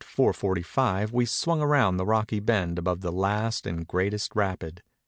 45 we swung round the rocky bend above the last and greatest rapid.